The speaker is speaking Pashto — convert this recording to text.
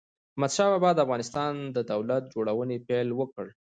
احمد شاه بابا د افغانستان د دولت جوړونې پيل وکړ.